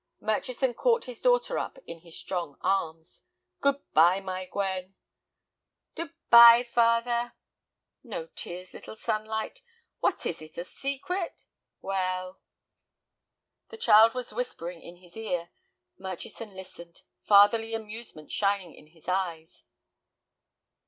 Murchison caught his daughter up in his strong arms. "Good bye, my Gwen—" "Dood bye, father." "No tears, little sunlight. What is it, a secret?—well." The child was whispering in his ear. Murchison listened, fatherly amusement shining in his eyes.